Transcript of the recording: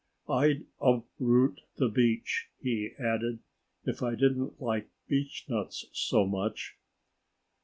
I'd uproot the beech," he added, "if I didn't like beechnuts so much."